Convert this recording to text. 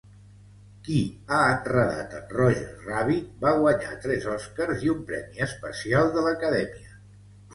"Qui ha enredat en Roger Rabbit" va guanyar tres Oscars i un premi especial de l'Acadèmia.